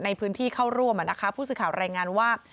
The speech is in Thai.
ในพื้นที่เข้าร่วมผู้สื่อข่าวรายงานว่า